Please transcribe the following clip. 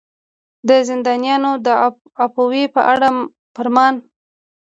د زندانیانو د عفوې په اړه فرمان.